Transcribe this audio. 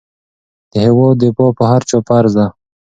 د هېواد دفاع په هر چا فرض ده.